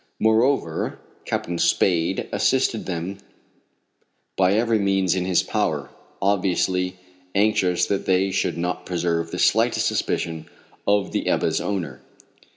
Moreover, Captain Spade assisted them by every means in his power, obviously anxious that they should not preserve the slightest suspicion of the Ebba's owner.